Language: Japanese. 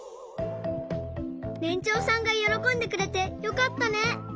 ねんちょうさんがよろこんでくれてよかったね。